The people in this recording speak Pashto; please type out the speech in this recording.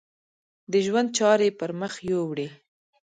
د ژوند چارې یې پر مخ یوړې.